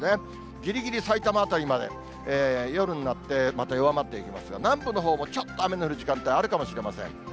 ぎりぎりさいたま辺りまで、夜になってまた弱まっていきますが、南部のほうもちょっと雨の降る時間帯あるかもしれません。